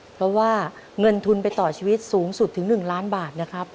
เพราะว่าเงินทุนไปต่อชีวิตสูงสุดถึง๑ล้านบาทนะครับ